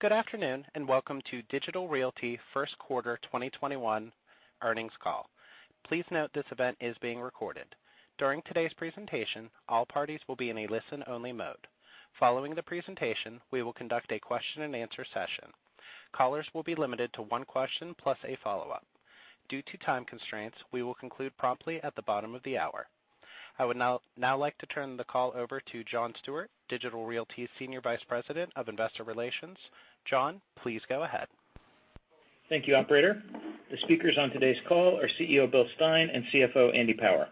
Good afternoon, welcome to Digital Realty first quarter 2021 earnings call. Please note this event is being recorded. During today's presentation, all parties will be in a listen only mode. Following the presentation, we will conduct a question-and-answer session. Callers will be limited to one question plus a follow-up. Due to time constraints, we will conclude promptly at the bottom of the hour. I would now like to turn the call over to John Stewart, Digital Realty's Senior Vice President of Investor Relations. John, please go ahead. Thank you, operator. The speakers on today's call are CEO, Bill Stein, and CFO, Andy Power.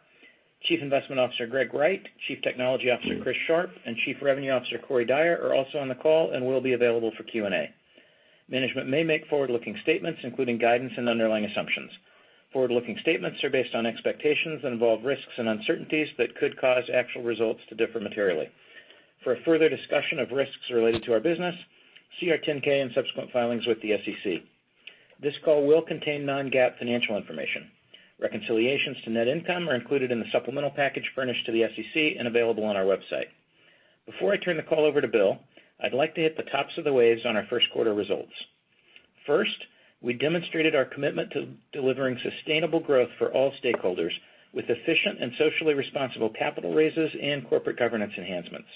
Chief Investment Officer, Greg Wright, Chief Technology Officer, Chris Sharp, and Chief Revenue Officer, Corey Dyer, are also on the call and will be available for Q&A. Management may make forward-looking statements, including guidance and underlying assumptions. Forward-looking statements are based on expectations and involve risks and uncertainties that could cause actual results to differ materially. For a further discussion of risks related to our business, see our 10-K and subsequent filings with the SEC. This call will contain non-GAAP financial information. Reconciliations to net income are included in the supplemental package furnished to the SEC and available on our website. Before I turn the call over to Bill, I'd like to hit the tops of the waves on our first quarter results. First, we demonstrated our commitment to delivering sustainable growth for all stakeholders, with efficient and socially responsible capital raises and corporate governance enhancements.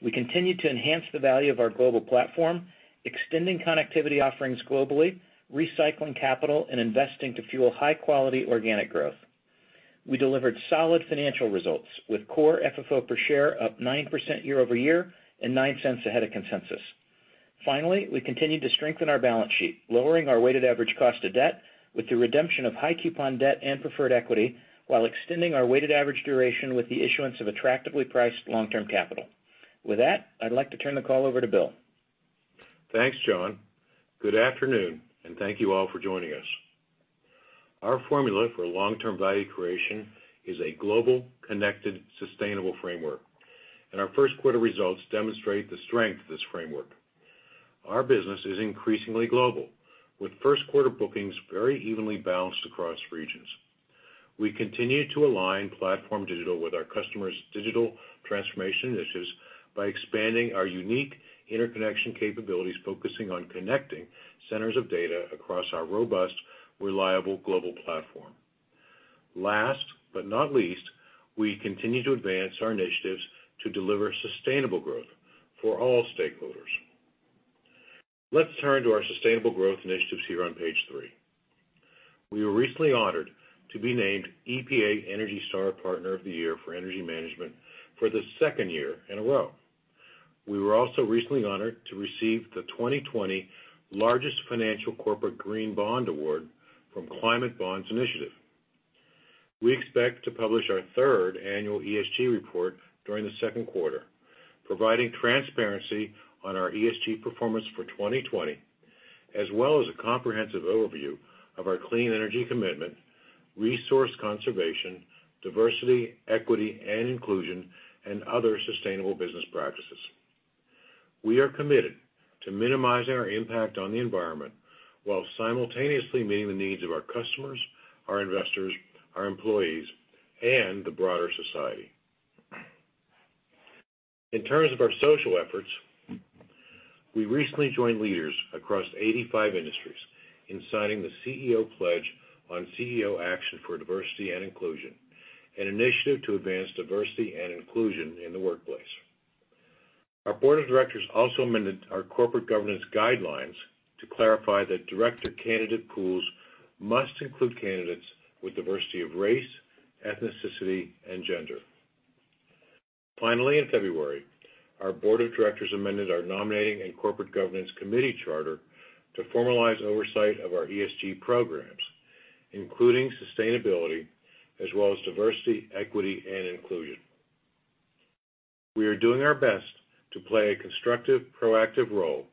We continued to enhance the value of our global platform, extending connectivity offerings globally, recycling capital, and investing to fuel high-quality organic growth. We delivered solid financial results, with core FFO per share up 9% year-over-year and $0.09 ahead of consensus. Finally, we continued to strengthen our balance sheet, lowering our weighted average cost of debt with the redemption of high coupon debt and preferred equity, while extending our weighted average duration with the issuance of attractively priced long-term capital. With that, I'd like to turn the call over to Bill. Thanks, John. Good afternoon, thank you all for joining us. Our formula for long-term value creation is a global, connected, sustainable framework, and our first quarter results demonstrate the strength of this framework. Our business is increasingly global, with first quarter bookings very evenly balanced across regions. We continue to align PlatformDIGITAL with our customers' digital transformation initiatives by expanding our unique interconnection capabilities, focusing on connecting centers of data across our robust, reliable global platform. Last but not least, we continue to advance our initiatives to deliver sustainable growth for all stakeholders. Let's turn to our sustainable growth initiatives here on Page three. We were recently honored to be named EPA ENERGY STAR Partner of the Year for Energy Management for the second year in a row. We were also recently honored to receive the 2020 largest financial corporate Green Bond award from Climate Bonds Initiative. We expect to publish our third Annual ESG Report during the second quarter, providing transparency on our ESG performance for 2020, as well as a comprehensive overview of our clean energy commitment, resource conservation, diversity, equity and inclusion, and other sustainable business practices. We are committed to minimizing our impact on the environment while simultaneously meeting the needs of our customers, our investors, our employees, and the broader society. In terms of our social efforts, we recently joined leaders across 85 industries in signing the CEO pledge on CEO Action for Diversity & Inclusion, an initiative to advance diversity and inclusion in the workplace. Our Board of Directors also amended our corporate governance guidelines to clarify that director candidate pools must include candidates with diversity of race, ethnicity, and gender. Finally, in February, our Board of Directors amended our nominating and corporate governance committee charter to formalize oversight of our ESG programs, including sustainability as well as diversity, equity, and inclusion. We are doing our best to play a constructive, proactive role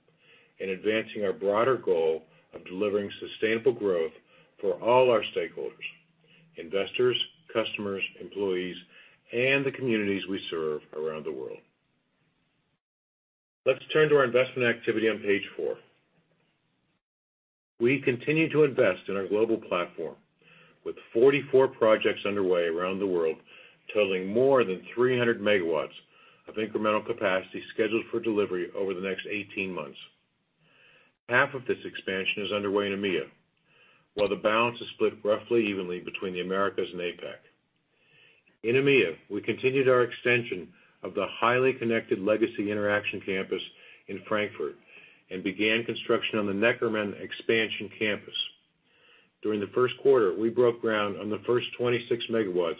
in advancing our broader goal of delivering sustainable growth for all our stakeholders, investors, customers, employees, and the communities we serve around the world. Let's turn to our investment activity on Page four. We continue to invest in our global platform with 44 projects underway around the world, totaling more than 300 MW of incremental capacity scheduled for delivery over the next 18 months. Half of this expansion is underway in EMEA, while the balance is split roughly evenly between the Americas and APAC. In EMEA, we continued our extension of the highly connected legacy Interxion campus in Frankfurt and began construction on the Neckermann expansion campus. During the first quarter, we broke ground on the first 26 MW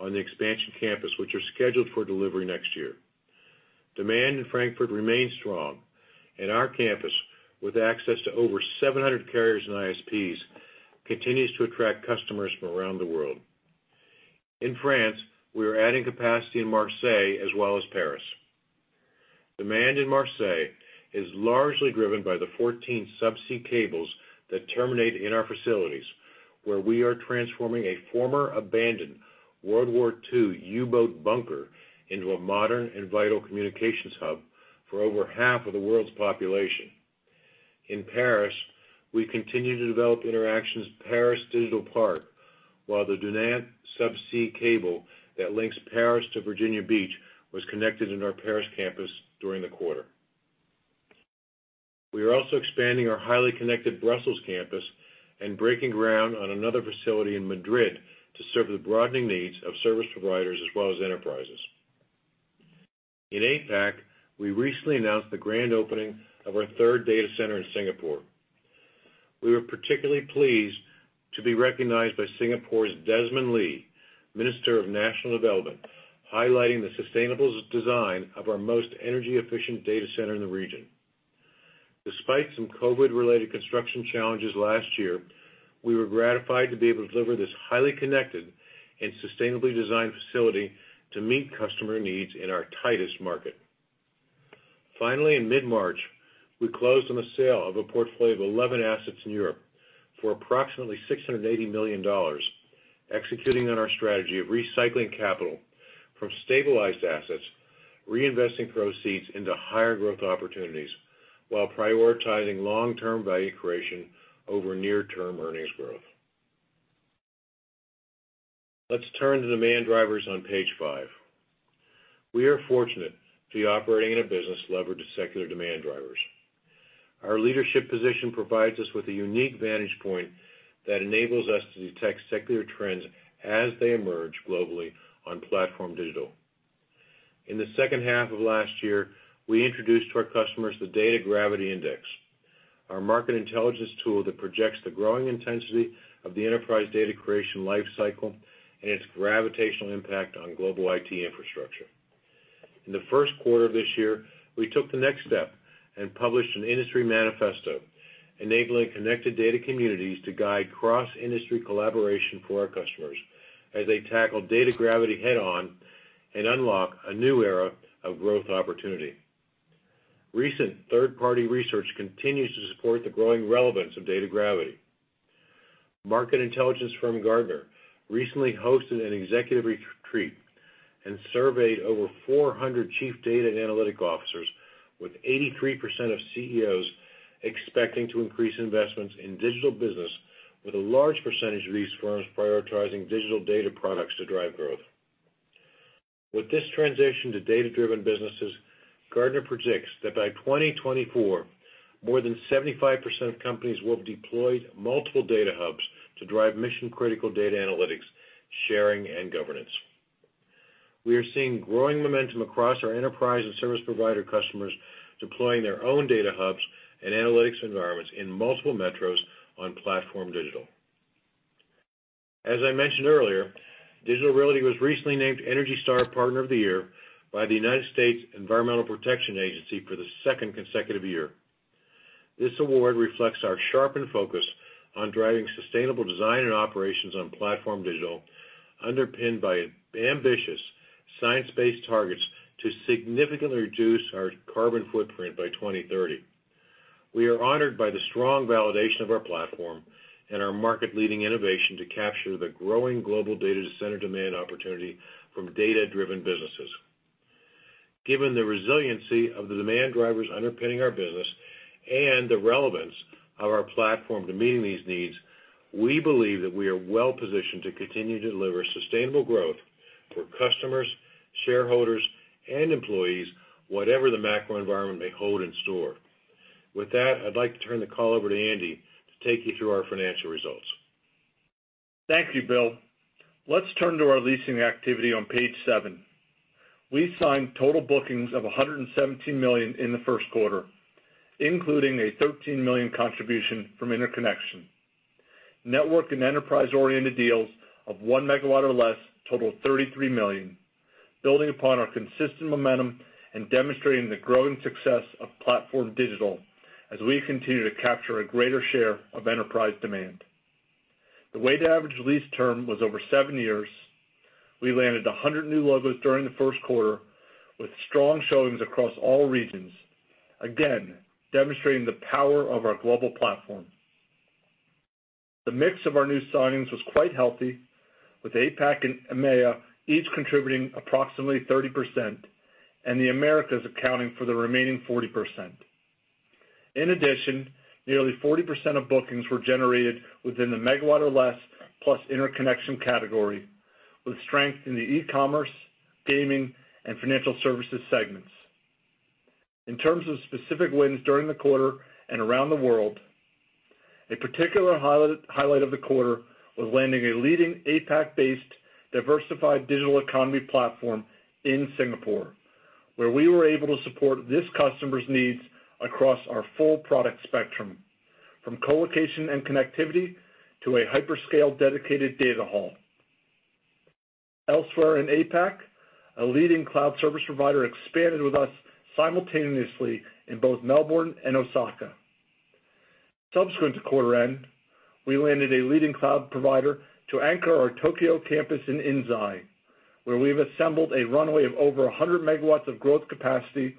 on the expansion campus, which are scheduled for delivery next year. Demand in Frankfurt remains strong, and our campus, with access to over 700 carriers and ISPs, continues to attract customers from around the world. In France, we are adding capacity in Marseille as well as Paris. Demand in Marseille is largely driven by the 14 subsea cables that terminate in our facilities, where we are transforming a former abandoned World War II U-boat bunker into a modern and vital communications hub for over half of the world's population. In Paris, we continue to develop Interxion's Paris Digital Park, while the Dunant subsea cable that links Paris to Virginia Beach was connected in our Paris campus during the quarter. We are also expanding our highly connected Brussels campus and breaking ground on another facility in Madrid to serve the broadening needs of service providers as well as enterprises. In APAC, we recently announced the grand opening of our third data center in Singapore. We were particularly pleased to be recognized by Singapore's Desmond Lee, Minister of National Development, highlighting the sustainable design of our most energy-efficient data center in the region. Despite some COVID-related construction challenges last year, we were gratified to be able to deliver this highly connected and sustainably designed facility to meet customer needs in our tightest market. Finally, in mid-March, we closed on the sale of a portfolio of 11 assets in Europe for approximately $680 million, executing on our strategy of recycling capital from stabilized assets, reinvesting proceeds into higher growth opportunities while prioritizing long-term value creation over near-term earnings growth. Let's turn to the demand drivers on Page five. We are fortunate to be operating in a business leveraged to secular demand drivers. Our leadership position provides us with a unique vantage point that enables us to detect secular trends as they emerge globally on PlatformDIGITAL. In the second half of last year, we introduced to our customers the Data Gravity Index, our market intelligence tool that projects the growing intensity of the enterprise data creation life cycle and its gravitational impact on global IT infrastructure. In the first quarter of this year, we took the next step and published an industry manifesto enabling connected data communities to guide cross-industry collaboration for our customers as they tackle data gravity head-on and unlock a new era of growth opportunity. Recent third-party research continues to support the growing relevance of data gravity. Market intelligence firm Gartner recently hosted an executive retreat and surveyed over 400 chief data and analytic officers, with 83% of CEOs expecting to increase investments in digital business, with a large percentage of these firms prioritizing digital data products to drive growth. With this transition to data-driven businesses, Gartner predicts that by 2024, more than 75% of companies will have deployed multiple data hubs to drive mission-critical data analytics, sharing, and governance. We are seeing growing momentum across our enterprise and service provider customers deploying their own data hubs and analytics environments in multiple metros on PlatformDIGITAL. As I mentioned earlier, Digital Realty was recently named ENERGY STAR Partner of the Year by the United States Environmental Protection Agency for the second consecutive year. This award reflects our sharpened focus on driving sustainable design and operations on PlatformDIGITAL, underpinned by ambitious science-based targets to significantly reduce our carbon footprint by 2030. We are honored by the strong validation of our platform and our market-leading innovation to capture the growing global data center demand opportunity from data-driven businesses. Given the resiliency of the demand drivers underpinning our business and the relevance of our platform to meeting these needs, we believe that we are well positioned to continue to deliver sustainable growth for customers, shareholders, and employees, whatever the macro environment may hold in store. With that, I'd like to turn the call over to Andy to take you through our financial results. Thank you, Bill. Let's turn to our leasing activity on Page seven. We signed total bookings of $117 million in the first quarter, including a $13 million contribution from interconnection. Network and enterprise-oriented deals of one MW or less totaled $33 million, building upon our consistent momentum and demonstrating the growing success of PlatformDIGITAL as we continue to capture a greater share of enterprise demand. The weighted average lease term was over seven years. We landed 100 new logos during the first quarter with strong showings across all regions, again demonstrating the power of our global platform. The mix of our new signings was quite healthy, with APAC and EMEA each contributing approximately 30%, and the Americas accounting for the remaining 40%. In addition, nearly 40% of bookings were generated within the MW or less plus interconnection category, with strength in the e-commerce, gaming, and financial services segments. In terms of specific wins during the quarter and around the world, a particular highlight of the quarter was landing a leading APAC-based diversified digital economy platform in Singapore, where we were able to support this customer's needs across our full product spectrum, from colocation and connectivity to a hyperscale-dedicated data hall. Elsewhere in APAC, a leading cloud service provider expanded with us simultaneously in both Melbourne and Osaka. Subsequent to quarter end, we landed a leading cloud provider to anchor our Tokyo campus in Inzai, where we've assembled a runway of over 100 MW of growth capacity,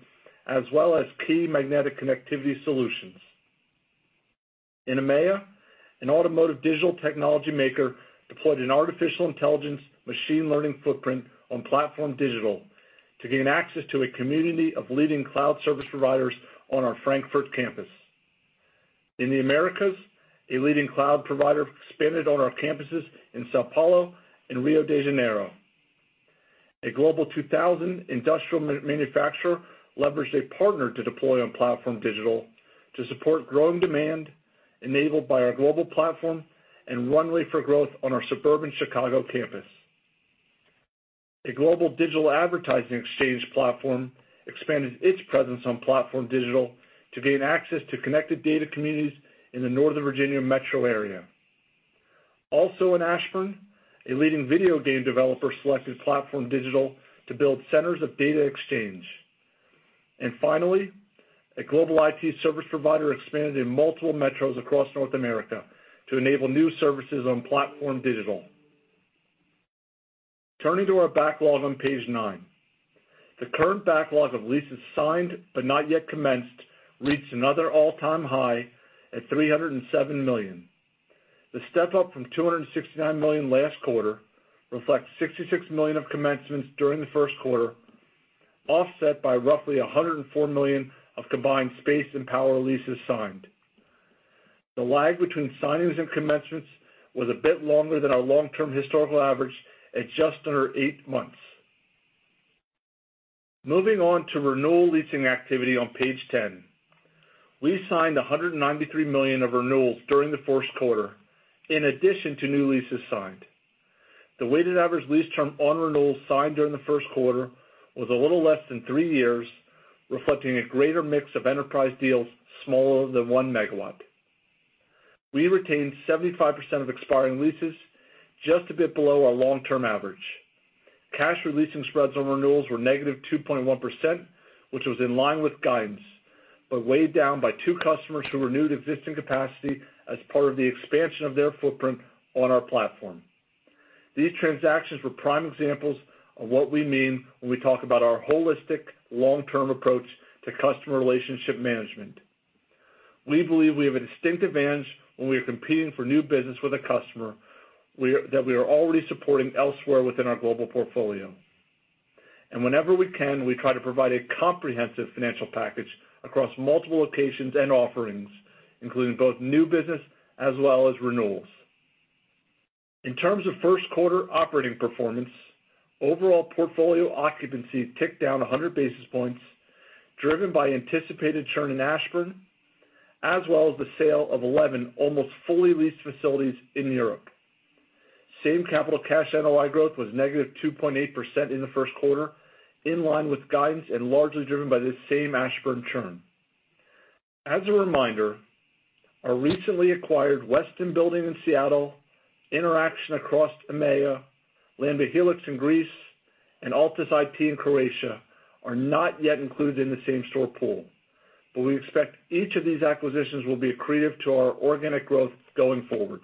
as well as key magnetic connectivity solutions. In EMEA, an automotive digital technology maker deployed an artificial intelligence machine learning footprint on PlatformDIGITAL to gain access to a community of leading cloud service providers on our Frankfurt campus. In the Americas, a leading cloud provider expanded on our campuses in São Paulo and Rio de Janeiro. A Global 2000 industrial manufacturer leveraged a partner to deploy on PlatformDIGITAL to support growing demand enabled by our global platform and runway for growth on our suburban Chicago campus. A global digital advertising exchange platform expanded its presence on PlatformDIGITAL to gain access to connected data communities in the Northern Virginia metro area. Also in Ashburn, a leading video game developer selected PlatformDIGITAL to build centers of data exchange. Finally, a global IT service provider expanded in multiple metros across North America to enable new services on PlatformDIGITAL. Turning to our backlog on page nine. The current backlog of leases signed but not yet commenced reached another all-time high at $307 million. The step-up from $269 million last quarter reflects $66 million of commencements during the first quarter, offset by roughly $104 million of combined space and power leases signed. The lag between signings and commencements was a bit longer than our long-term historical average at just under eight months. Moving on to renewal leasing activity on Page 10. We signed $193 million of renewals during the first quarter, in addition to new leases signed. The weighted average lease term on renewals signed during the first quarter was a little less than three years, reflecting a greater mix of enterprise deals smaller than 1 MW. We retained 75% of expiring leases, just a bit below our long-term average. Cash re-leasing spreads on renewals were negative 2.1%, which was in line with guidance, but weighed down by two customers who renewed existing capacity as part of the expansion of their footprint on our platform. These transactions were prime examples of what we mean when we talk about our holistic long-term approach to customer relationship management. We believe we have distinct advantage and we are competing for a new business for the customers that we are supporting elsewhere within our global portfolio. Whenever we can, we try to provide a comprehensive financial package across multiple locations and offerings, including both new business as well as renewals. In terms of first quarter operating performance, overall portfolio occupancy ticked down 100 basis points, driven by anticipated churn in Ashburn, as well as the sale of 11 almost fully leased facilities in Europe. Same capital cash NOI growth was -2.8% in the first quarter, in line with guidance and largely driven by this same Ashburn churn. As a reminder, our recently acquired Westin Building in Seattle, Interxion across EMEA, Lamda Hellix in Greece, and Altus IT in Croatia are not yet included in the same-store pool. We expect each of these acquisitions will be accretive to our organic growth going forward.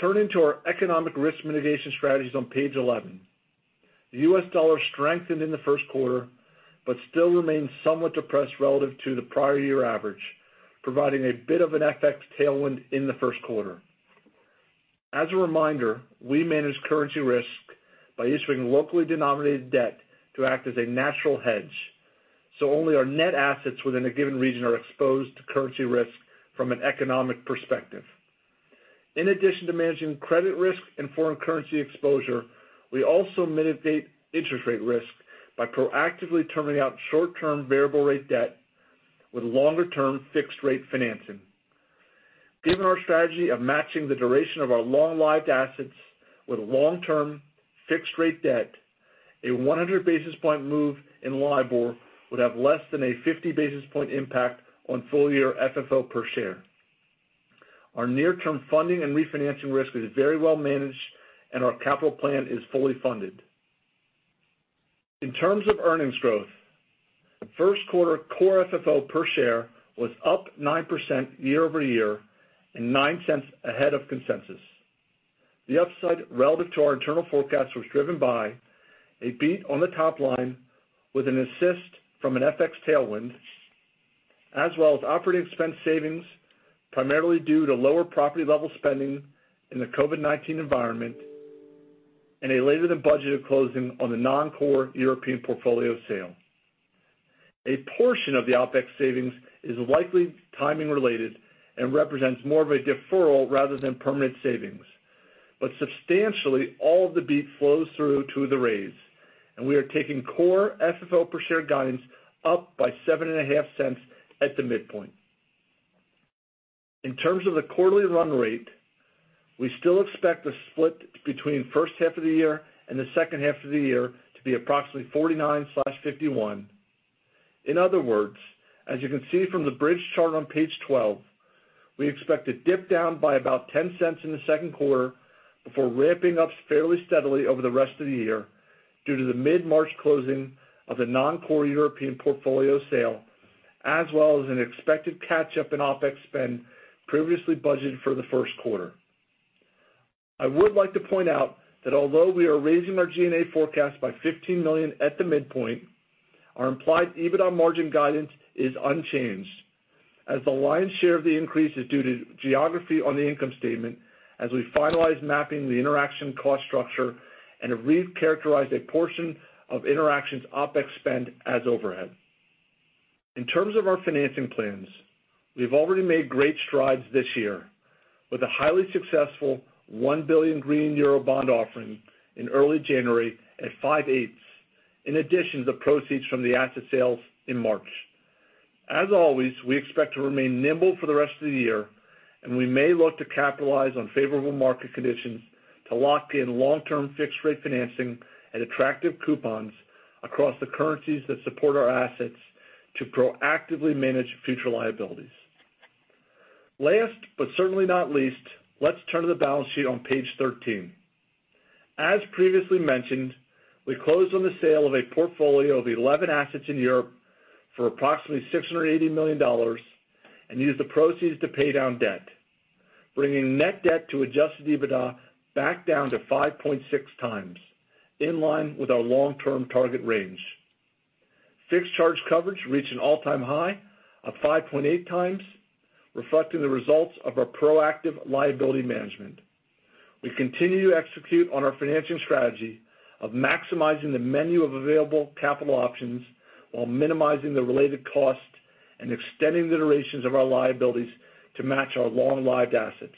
Turning to our economic risk mitigation strategies on Page 11. The U.S. dollar strengthened in the first quarter, but still remains somewhat depressed relative to the prior year average, providing a bit of an FX tailwind in the first quarter. As a reminder, we manage currency risk by issuing locally denominated debt to act as a natural hedge, so only our net assets within a given region are exposed to currency risk from an economic perspective. In addition to managing credit risk and foreign currency exposure, we also mitigate interest rate risk by proactively terming out short-term variable rate debt with longer-term fixed rate financing. Given our strategy of matching the duration of our long-lived assets with long-term fixed rate debt, a 100 basis point move in LIBOR would have less than a 50 basis point impact on full-year FFO per share. Our near-term funding and refinancing risk is very well managed, and our capital plan is fully funded. In terms of earnings growth, first quarter core FFO per share was up 9% year-over-year and $0.09 ahead of consensus. The upside relative to our internal forecast was driven by a beat on the top line with an assist from an FX tailwind, as well as operating expense savings, primarily due to lower property-level spending in the COVID-19 environment and a later-than-budgeted closing on the non-core European portfolio sale. A portion of the OpEx savings is likely timing related and represents more of a deferral rather than permanent savings. Substantially, all of the beat flows through to the raise, and we are taking core FFO per share guidance up by $0.075 at the midpoint. In terms of the quarterly run rate, we still expect the split between first half of the year and the second half of the year to be approximately 49/51. In other words, as you can see from the bridge chart on Page 12, we expect to dip down by about $0.10 in the second quarter before ramping up fairly steadily over the rest of the year due to the mid-March closing of the non-core European portfolio sale, as well as an expected catch-up in OpEx spend previously budgeted for the first quarter. I would like to point out that although we are raising our G&A forecast by $15 million at the midpoint, our implied EBITDA margin guidance is unchanged, as the lion's share of the increase is due to geography on the income statement as we finalize mapping the Interxion cost structure and have recharacterized a portion of Interxion's OpEx spend as overhead. In terms of our financing plans, we've already made great strides this year with a highly successful 1 billion green euro bond offering in early January at five-eighths, in addition to the proceeds from the asset sales in March. As always, we expect to remain nimble for the rest of the year, and we may look to capitalize on favorable market conditions to lock in long-term fixed rate financing at attractive coupons across the currencies that support our assets to proactively manage future liabilities. Last but certainly not least, let's turn to the balance sheet on Page 13. As previously mentioned, we closed on the sale of a portfolio of 11 assets in Europe for approximately $680 million and used the proceeds to pay down debt, bringing net debt to adjusted EBITDA back down to 5.6x, in line with our long-term target range. Fixed charge coverage reached an all-time high of 5.8x, reflecting the results of our proactive liability management. We continue to execute on our financing strategy of maximizing the menu of available capital options while minimizing the related costs and extending the durations of our liabilities to match our long-lived assets.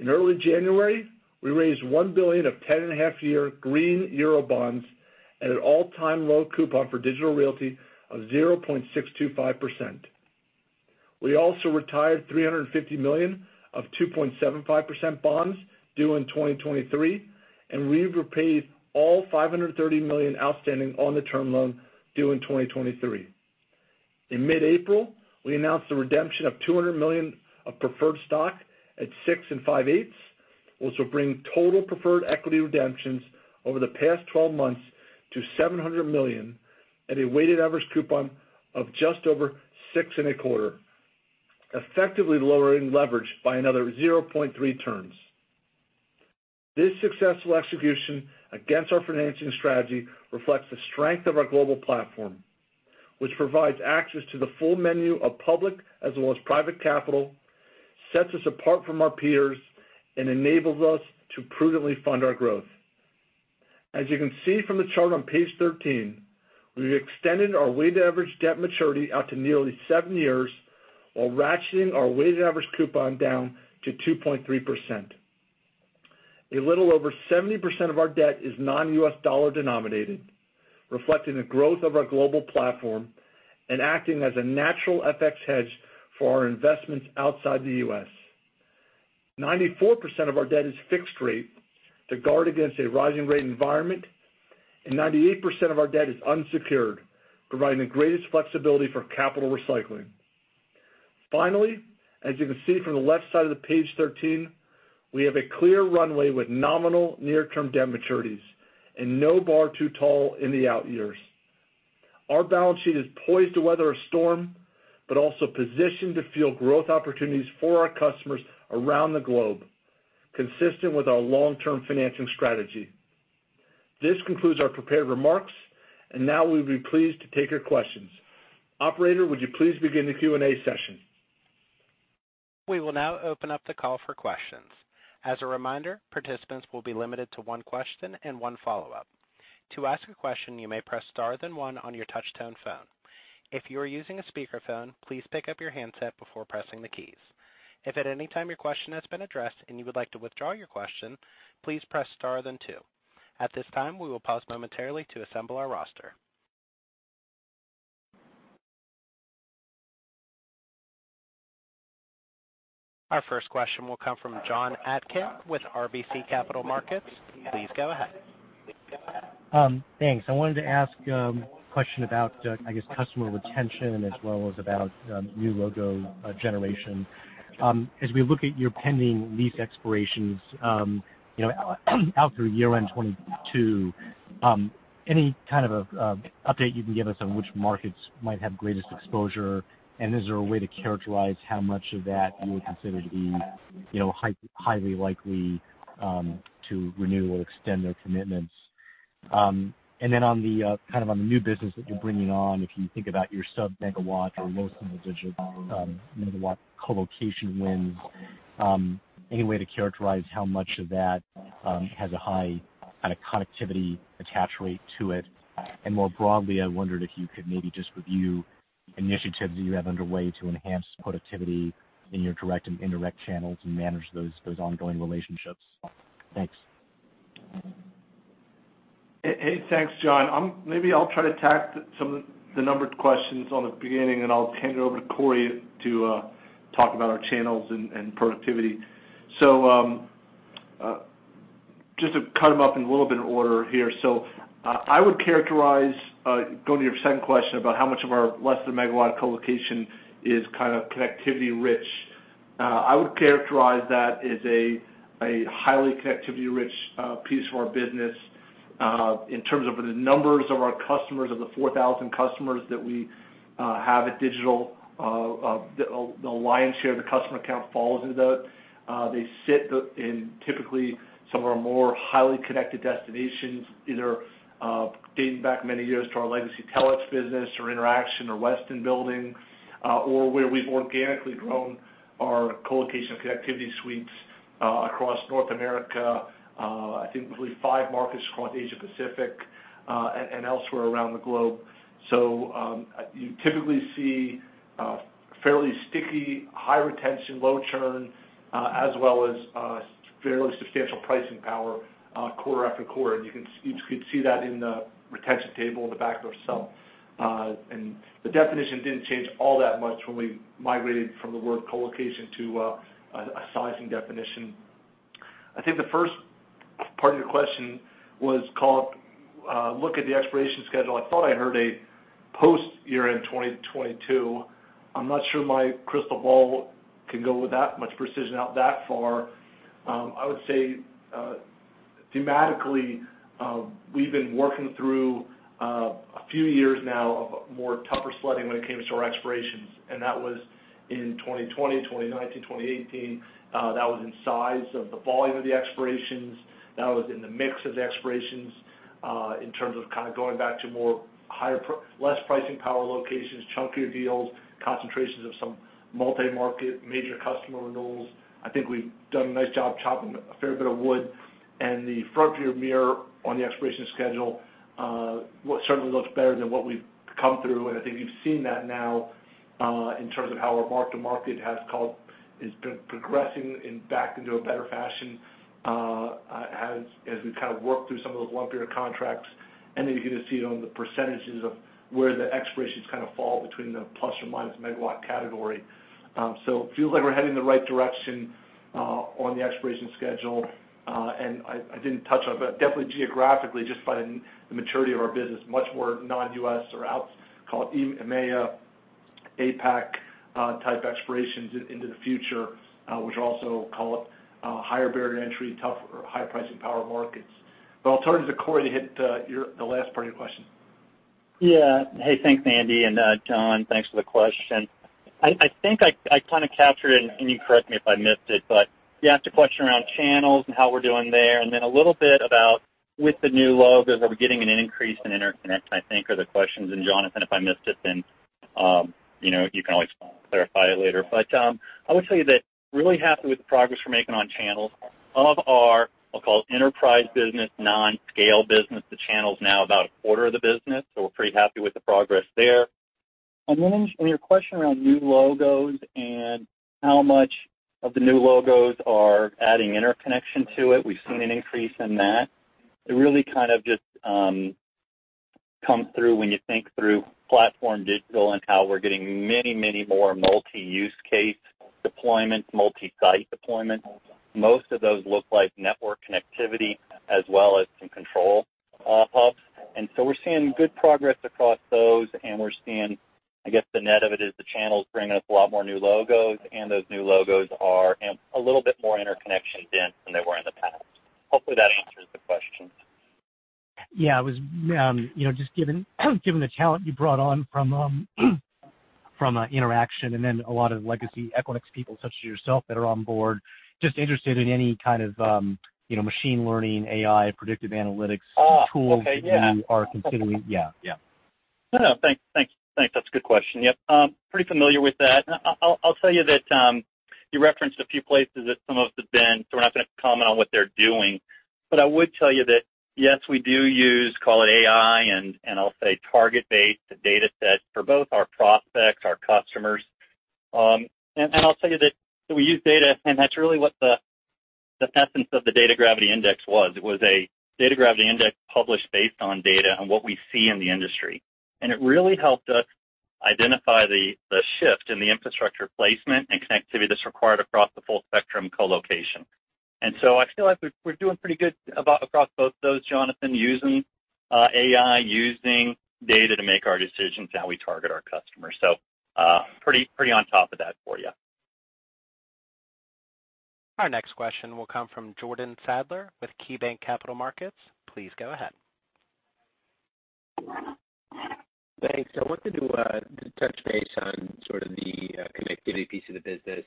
In early January, we raised 1 billion of 10.5-year green euro bonds at an all-time low coupon for Digital Realty of 0.625%. We also retired $350 million of 2.75% bonds due in 2023, and we repaid all $530 million outstanding on the term loan due in 2023. In mid-April, we announced the redemption of $200 million of preferred stock at 6.625%, which will bring total preferred equity redemptions over the past 12 months to $700 million at a weighted average coupon of just over 6.25%, effectively lowering leverage by another 0.3x. This successful execution against our financing strategy reflects the strength of our global platform, which provides access to the full menu of public as well as private capital, sets us apart from our peers, and enables us to prudently fund our growth. As you can see from the chart on Page 13, we've extended our weighted average debt maturity out to nearly seven years while ratcheting our weighted average coupon down to 2.3%. A little over 70% of our debt is non-U.S. dollar denominated, reflecting the growth of our global platform and acting as a natural FX hedge for our investments outside the U.S. 94% of our debt is fixed rate to guard against a rising rate environment, and 98% of our debt is unsecured, providing the greatest flexibility for capital recycling. Finally, as you can see from the left side of the Page 13, we have a clear runway with nominal near-term debt maturities and no bar too tall in the out years. Our balance sheet is poised to weather a storm, but also positioned to fuel growth opportunities for our customers around the globe, consistent with our long-term financing strategy. This concludes our prepared remarks, and now we'd be pleased to take your questions. Operator, would you please begin the Q&A session? We will now open up the call for questions. As a reminder, participants will be limited to one question and one follow-up. To ask a question, you may press star then one on your touch-tone phone. If you are using a speakerphone, please pick up your handset before pressing the keys. If at any time your question has been addressed and you would like to withdraw your question, please press star then two. At this time, we will pause momentarily to assemble our roster. Our first question will come from Jon Atkin with RBC Capital Markets. Please go ahead. Thanks. I wanted to ask a question about, I guess, customer retention as well as about new logo generation. As we look at your pending lease expirations out through year-end 2022, any kind of update you can give us on which markets might have greatest exposure? Is there a way to characterize how much of that you would consider to be highly likely to renew or extend their commitments? On the new business that you're bringing on, if you think about your sub-megawatt or low single-digit megawatt colocation wins, any way to characterize how much of that has a high kind of connectivity attach rate to it? More broadly, I wondered if you could maybe just review initiatives that you have underway to enhance productivity in your direct and indirect channels and manage those ongoing relationships. Thanks. Hey, thanks, Jon. Maybe I'll try to tack some of the numbered questions on the beginning, and I'll hand it over to Corey to talk about our channels and productivity. Just to cut them up in a little bit of order here. I would characterize, going to your second question about how much of our less than megawatt colocation is kind of connectivity rich. I would characterize that as a highly connectivity rich piece of our business. In terms of the numbers of our customers, of the 4,000 customers that we have at Digital, the lion's share of the customer count falls into that. They sit in typically some of our more highly connected destinations, either dating back many years to our legacy Telx business or Interxion or Westin Building, or where we've organically grown our colocation connectivity suites across North America, I think really five markets across Asia Pacific, and elsewhere around the globe. You typically see fairly sticky, high retention, low churn, as well as fairly substantial pricing power quarter after quarter. You could see that in the retention table in the back of our supplement. The definition didn't change all that much when we migrated from the word colocation to a sizing definition. I think the first part of your question was look at the expiration schedule. I thought I heard a post year-end 2022. I'm not sure my crystal ball can go with that much precision out that far. I would say, thematically, we've been working through a few years now of a more tougher sledding when it came to our expirations. That was in 2020, 2019, 2018. That was in size of the volume of the expirations. That was in the mix of the expirations, in terms of going back to more less pricing power locations, chunkier deals, concentrations of some multi-market major customer renewals. I think we've done a nice job chopping a fair bit of wood. The front view mirror on the expiration schedule certainly looks better than what we've come through. I think you've seen that now, in terms of how our mark-to-market has been progressing back into a better fashion as we work through some of those lumpier contracts. You're going to see it on the percentages of where the expirations fall between the plus or minus megawatt category. Feels like we're heading in the right direction on the expiration schedule. I didn't touch on it, but definitely geographically, just by the maturity of our business, much more non-U.S. or out, call it EMEA, APAC type expirations into the future, which also call it higher barrier to entry, tough or high pricing power markets. I'll turn it to Corey to hit the last part of your question. Hey, thanks, Andy. Jon, thanks for the question. I think I captured it, and you correct me if I missed it, but you asked a question around channels and how we're doing there, and then a little bit about with the new logos, are we getting an increase in interconnect, I think are the questions. Jonathan, if I missed it, you can always clarify it later. I would say that really happy with the progress we're making on channels. Of our, I'll call it enterprise business, non-scale business, the channel's now about a quarter of the business. We're pretty happy with the progress there. Your question around new logos and how much of the new logos are adding interconnection to it, we've seen an increase in that. It really just comes through when you think through PlatformDIGITAL and how we're getting many, many more multi-use case deployments, multi-site deployments. We're seeing good progress across those, and we're seeing, I guess, the net of it is the channel's bringing us a lot more new logos, and those new logos are a little bit more interconnection dense than they were in the past. Hopefully that answers the questions. Just given the talent you brought on from Interxion and then a lot of legacy Equinix people such as yourself that are on board, just interested in any kind of machine learning, AI, predictive analytics tools. Oh, okay. Yeah. you are considering. Yeah. No, no. Thanks. That's a good question. Yep. Pretty familiar with that. I'll tell you that you referenced a few places that some of us have been, so we're not going to comment on what they're doing. I would tell you that, yes, we do use, call it AI, and I'll say target-based data sets for both our prospects, our customers. I'll tell you that we use data, and that's really what the essence of the Data Gravity Index was. It was a Data Gravity Index published based on data and what we see in the industry. It really helped us identify the shift in the infrastructure placement and connectivity that's required across the full spectrum colocation. I feel like we're doing pretty good across both those, Jonathan, using AI, using data to make our decisions and how we target our customers. Pretty on top of that for you. Our next question will come from Jordan Sadler with KeyBanc Capital Markets. Please go ahead. Thanks. I wanted to touch base on sort of the connectivity piece of the business.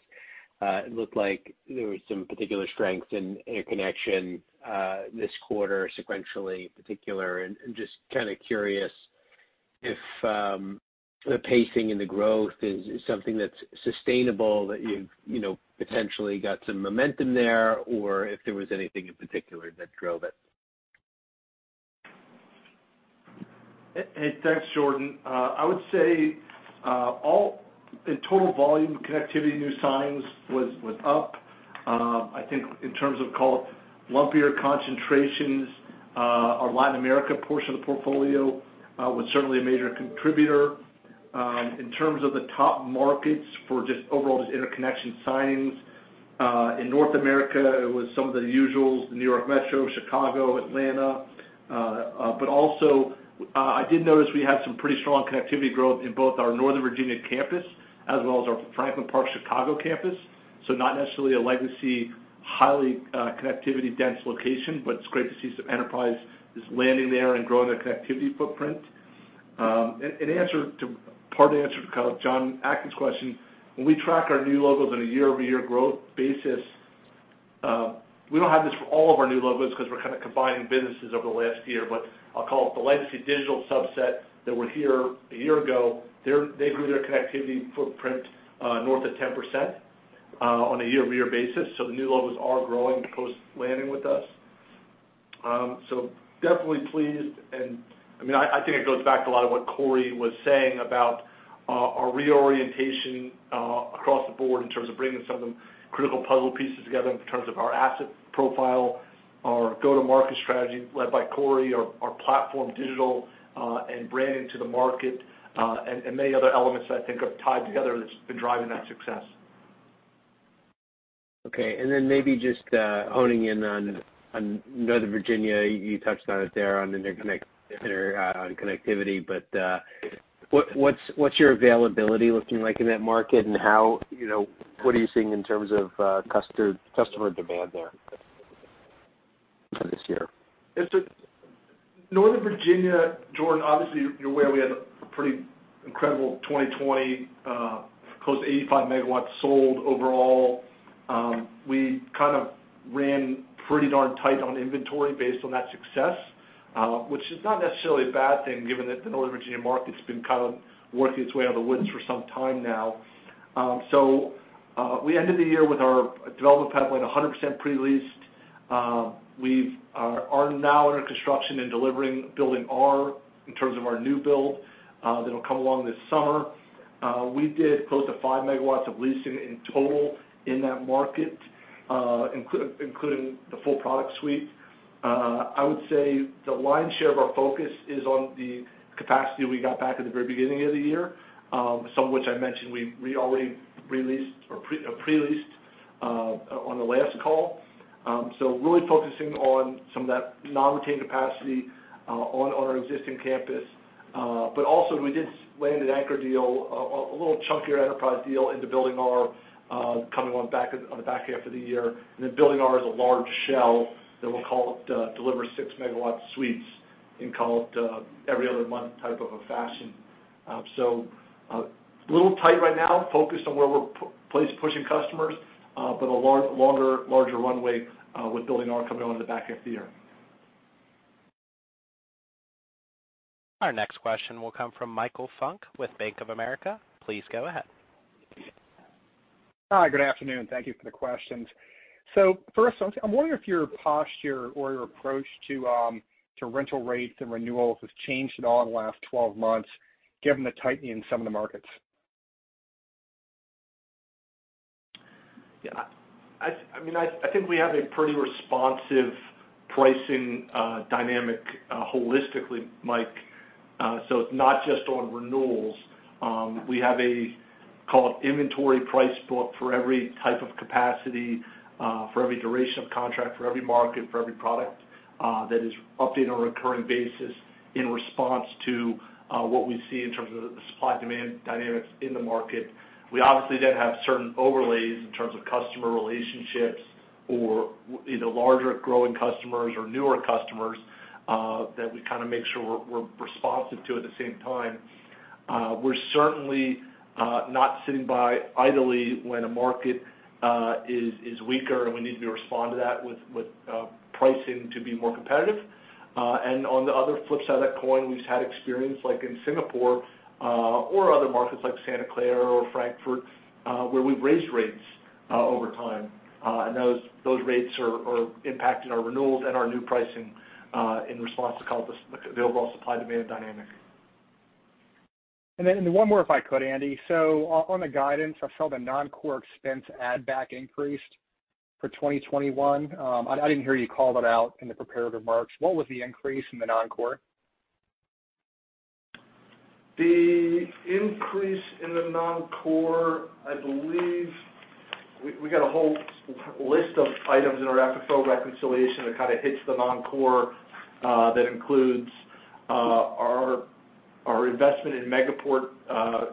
It looked like there was some particular strength in interconnection this quarter, sequentially in particular. Just kind of curious if the pacing and the growth is something that's sustainable, that you've potentially got some momentum there, or if there was anything in particular that drove it. Hey, thanks, Jordan. I would say, in total volume connectivity, new signings was up. I think in terms of, call it lumpier concentrations, our Latin America portion of the portfolio was certainly a major contributor. In terms of the top markets for just overall just interconnection signings, in North America, it was some of the usuals, the New York Metro, Chicago, Atlanta. Also, I did notice we had some pretty strong connectivity growth in both our Northern Virginia campus as well as our Franklin Park Chicago campus. Not necessarily a legacy, highly connectivity dense location, but it's great to see some enterprise is landing there and growing their connectivity footprint. Part of the answer to kind of Jon Atkin's question, when we track our new logos on a year-over-year growth basis, we don't have this for all of our new logos because we're kind of combining businesses over the last year, but I'll call it the legacy Digital subset that were here a year ago. They grew their connectivity footprint north of 10% on a year-over-year basis. The new logos are growing post-landing with us. Definitely pleased, and I think it goes back to a lot of what Corey was saying about our reorientation across the board in terms of bringing some of the critical puzzle pieces together in terms of our asset profile, our go-to-market strategy led by Corey, our PlatformDIGITAL and branding to the market, and many other elements that I think have tied together that's been driving that success. Okay, maybe just honing in on Northern Virginia. You touched on it there on interconnectivity, but what's your availability looking like in that market and what are you seeing in terms of customer demand there for this year? Northern Virginia, Jordan, obviously, you're aware we had a pretty incredible 2020, close to 85 MW sold overall. We kind of ran pretty darn tight on inventory based on that success, which is not necessarily a bad thing given that the Northern Virginia market's been kind of working its way out of the woods for some time now. We ended the year with our development pipeline 100% pre-leased. We are now under construction and delivering building R in terms of our new build. That'll come along this summer. We did close to 5 MW of leasing in total in that market, including the full product suite. I would say the lion's share of our focus is on the capacity we got back at the very beginning of the year. Some of which I mentioned we re-leased or pre-leased on the last call. Really focusing on some of that non-retained capacity on our existing campus. We did land an anchor deal, a little chunkier enterprise deal into Building R, coming on the back half of the year. Building R is a large shell that we'll call it deliver 6 MW suites in call it every other month type of a fashion. A little tight right now, focused on where we're pushing customers, but a longer, larger runway with Building R coming on in the back half of the year. Our next question will come from Michael Funk with Bank of America. Please go ahead. Hi, good afternoon. Thank you for the questions. First, I'm wondering if your posture or your approach to rental rates and renewals has changed at all in the last 12 months, given the tightening in some of the markets. I think we have a pretty responsive pricing dynamic holistically, Mike. It's not just on renewals. We have a, call it inventory price book for every type of capacity, for every duration of contract, for every market, for every product, that is updated on a recurring basis in response to what we see in terms of the supply demand dynamics in the market. We obviously have certain overlays in terms of customer relationships or either larger growing customers or newer customers, that we kind of make sure we're responsive to at the same time. We're certainly not sitting by idly when a market is weaker and we need to respond to that with pricing to be more competitive. On the other flip side of that coin, we've had experience like in Singapore or other markets like Santa Clara or Frankfurt, where we've raised rates over time. Those rates are impacting our renewals and our new pricing, in response to call it the overall supply demand dynamic. One more if I could, Andy. On the guidance, I saw the non-core expense add back increased for 2021. I didn't hear you call it out in the prepared remarks. What was the increase in the non-core? The increase in the non-core, I believe we got a whole list of items in our FFO reconciliation that kind of hits the non-core, that includes our investment in Megaport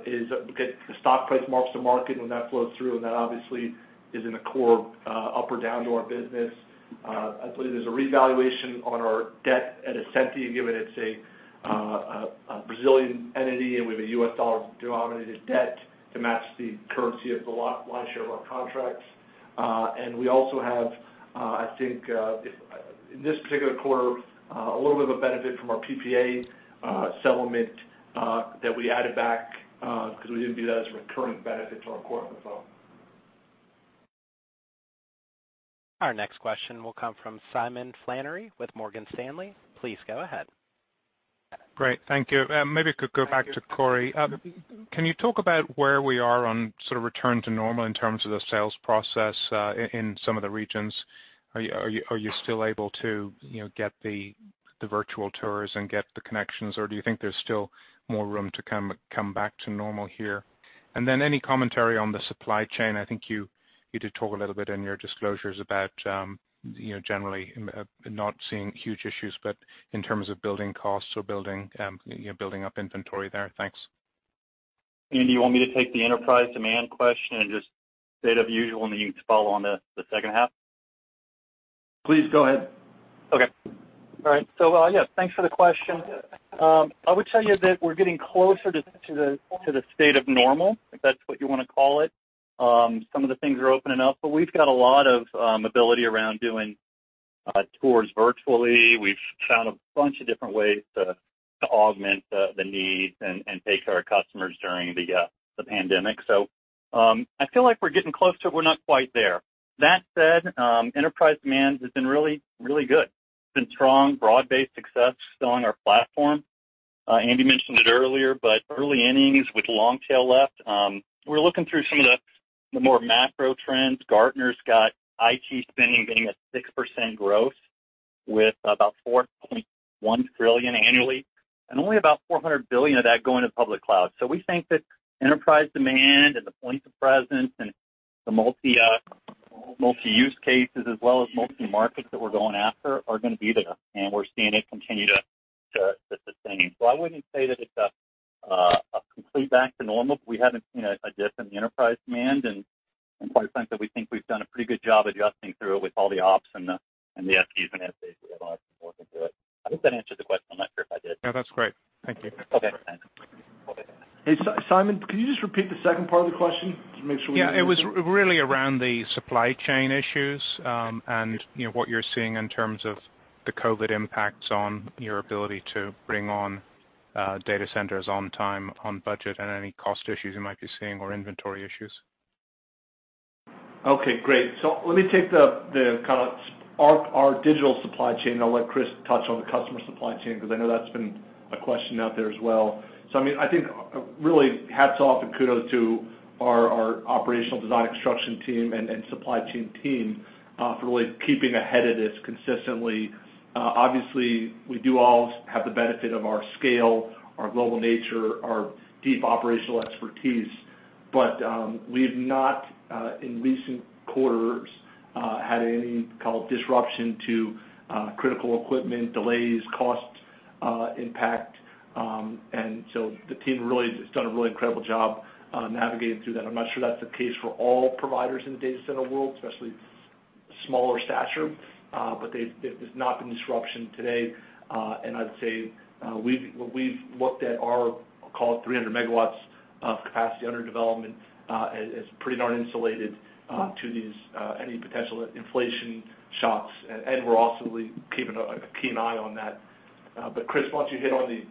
is the stock price mark-to-market and when that flows through. That obviously is in the core up or down to our business. I believe there's a revaluation on our debt at Ascenty, given it's a Brazilian entity. We have a U.S. dollar denominated debt to match the currency of the lion's share of our contracts. We also have, I think, in this particular quarter, a little bit of a benefit from our PPA settlement that we added back, because we didn't view that as a recurring benefit to our core FFO. Our next question will come from Simon Flannery with Morgan Stanley. Please go ahead. Great. Thank you. Maybe I could go back to Corey. Can you talk about where we are on sort of return to normal in terms of the sales process in some of the regions? Are you still able to get the virtual tours and get the connections, or do you think there's still more room to come back to normal here? Any commentary on the supply chain, I think you did talk a little bit in your disclosures about generally not seeing huge issues, but in terms of building costs or building up inventory there. Thanks. Andy, you want me to take the enterprise demand question and just state of usual, and then you can follow on the second half? Please go ahead. Yes, thanks for the question. I would tell you that we're getting closer to the state of normal, if that's what you want to call it. Some of the things are opening up, but we've got a lot of ability around doing tours virtually. We've found a bunch of different ways to augment the needs and take care of customers during the pandemic. I feel like we're getting close to it. We're not quite there. That said, enterprise demand has been really good. It's been strong, broad-based success still on our PlatformDIGITAL. Andy mentioned it earlier, but early innings with long tail left. We're looking through some of the more macro trends. Gartner's got IT spending being at 6% growth with about $4.1 trillion annually, and only about $400 billion of that going to public cloud. We think that enterprise demand and the points of presence and the multi-use cases as well as multi-markets that we're going after are going to be there, and we're seeing it continue to sustain. I wouldn't say that it's a complete back to normal, but we haven't seen a dip in the enterprise demand, and quite frankly, we think we've done a pretty good job adjusting through it with all the ops and the FP&A and FAs we have working through it. I hope that answered the question. I'm not sure if I did. No, that's great. Thank you. Okay, thanks. Hey, Simon, could you just repeat the second part of the question just make sure? Yeah, it was really around the supply chain issues, and what you're seeing in terms of the COVID impacts on your ability to bring on data centers on time, on budget, and any cost issues you might be seeing or inventory issues. Okay, great. Let me take our digital supply chain, and I'll let Chris touch on the customer supply chain, because I know that's been a question out there as well. I think really hats off and kudos to our operational design and construction team and supply chain team for really keeping ahead of this consistently. Obviously, we do all have the benefit of our scale, our global nature, our deep operational expertise. We have not, in recent quarters, had any disruption to critical equipment, delays, cost impact. The team really has done a really incredible job navigating through that. I'm not sure that's the case for all providers in the data center world, especially smaller stature. There's not been disruption today. I'd say, we've looked at our call it 300 MW of capacity under development, as pretty darn insulated to any potential inflation shocks. We're also keeping a keen eye on that. Chris, why don't you hit on the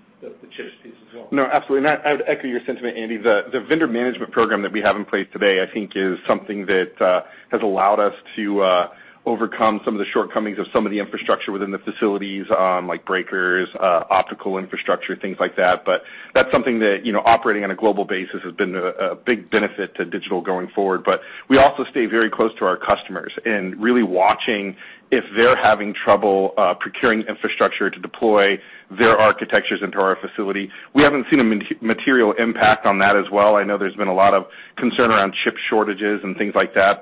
chips piece as well? No, absolutely. I would echo your sentiment, Andy. The vendor management program that we have in place today, I think, is something that has allowed us to overcome some of the shortcomings of some of the infrastructure within the facilities, like breakers, optical infrastructure, things like that. That's something that operating on a global basis has been a big benefit to Digital Realty going forward. We also stay very close to our customers and really watching if they're having trouble procuring infrastructure to deploy their architectures into our facility. We haven't seen a material impact on that as well. I know there's been a lot of concern around chip shortages and things like that.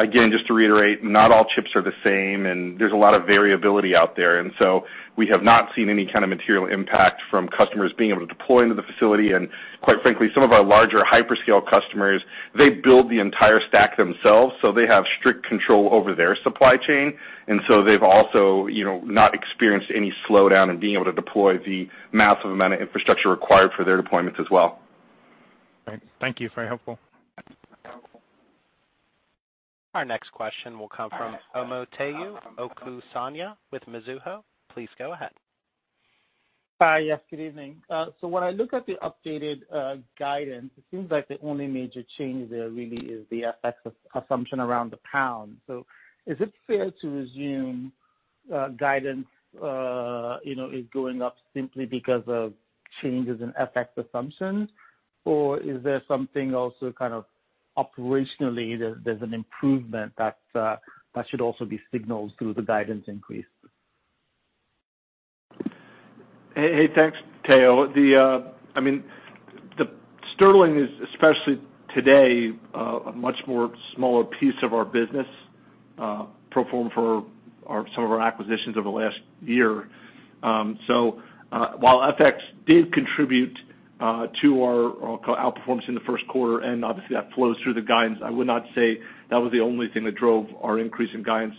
Again, just to reiterate, not all chips are the same and there's a lot of variability out there. We have not seen any kind of material impact from customers being able to deploy into the facility. Quite frankly, some of our larger hyperscale customers, they build the entire stack themselves, so they have strict control over their supply chain. They've also not experienced any slowdown in being able to deploy the massive amount of infrastructure required for their deployments as well. Great. Thank you. Very helpful. Our next question will come from Omotayo Okusanya with Mizuho. Please go ahead. Hi. Yes, good evening. When I look at the updated guidance, it seems like the only major change there really is the FX assumption around the GBP. Is it fair to assume guidance is going up simply because of changes in FX assumptions, or is there something also kind of operationally, there's an improvement that should also be signaled through the guidance increase? Hey, thanks, Tayo. The sterling is, especially today, a much more smaller piece of our business pro forma for some of our acquisitions over the last year. While FX did contribute to our outperformance in the first quarter, and obviously that flows through the guidance, I would not say that was the only thing that drove our increase in guidance.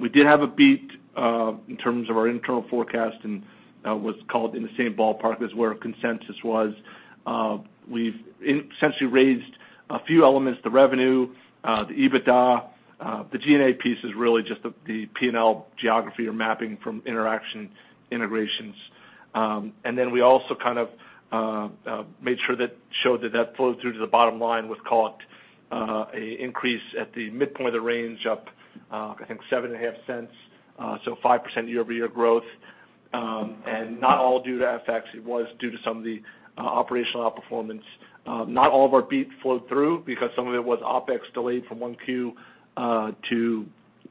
We did have a beat in terms of our internal forecast and was called in the same ballpark as where consensus was. We've essentially raised a few elements, the revenue, the EBITDA. The G&A piece is really just the P&L geography or mapping from Interxion integration. We also kind of made sure that showed that that flowed through to the bottom line with call it, an increase at the midpoint of the range up, I think $0.075. 5% year-over-year growth. Not all due to FX. It was due to some of the operational outperformance. Not all of our beat flowed through because some of it was OpEx delayed from 1Q-2Q,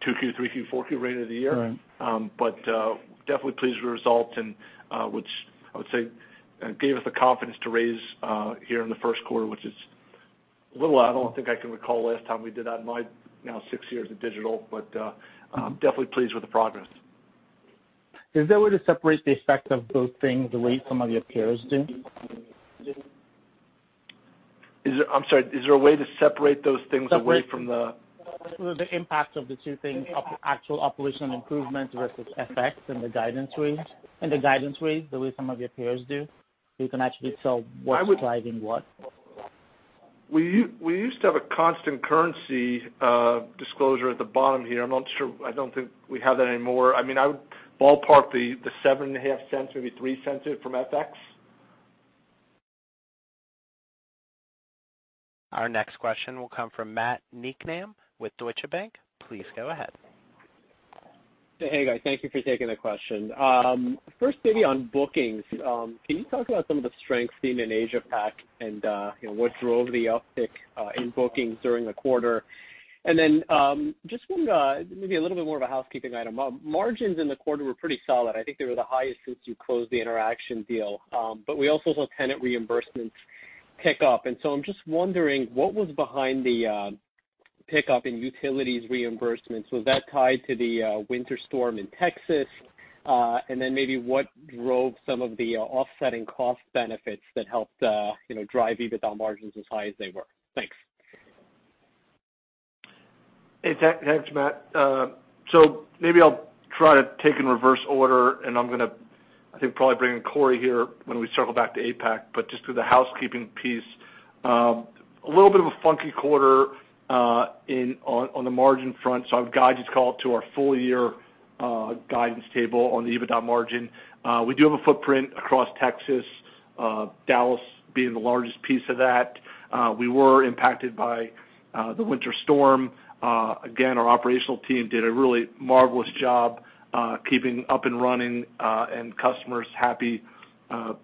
3Q, 4Q right end of the year. Right. Definitely pleased with the result and which I would say gave us the confidence to raise here in the first quarter, which is a little, I don't think I can recall last time we did that in my now six years of Digital Realty, but I'm definitely pleased with the progress. Is there a way to separate the effect of both things the way some of your peers do? I'm sorry, is there a way to separate those things away from? Separate the impact of the two things, actual operational improvements versus effects in the guidance range, the way some of your peers do, so you can actually tell what's driving what? We used to have a constant currency disclosure at the bottom here. I'm not sure. I don't think we have that anymore. I would ballpark the $0.075, maybe $0.03 of it from FX. Our next question will come from Matt Niknam with Deutsche Bank. Please go ahead. Hey, guys. Thank you for taking the question. First, maybe on bookings. Can you talk about some of the strengths seen in Asia Pac and what drove the uptick in bookings during the quarter? Just one, maybe a little bit more of a housekeeping item. Margins in the quarter were pretty solid. I think they were the highest since you closed the Interxion deal. We also saw tenant reimbursements pick up. I'm just wondering, what was behind the pickup in utilities reimbursements? Was that tied to the winter storm in Texas? Maybe what drove some of the offsetting cost benefits that helped drive EBITDA margins as high as they were? Thanks. Thanks, Matt. Maybe I'll try to take in reverse order, and I'm gonna, I think, probably bring in Corey here when we circle back to APAC. Just with the housekeeping piece, a little bit of a funky quarter on the margin front. I would guide you to call it to our full-year guidance table on the EBITDA margin. We do have a footprint across Texas, Dallas being the largest piece of that. We were impacted by the winter storm. Again, our operational team did a really marvelous job keeping up and running and customers happy.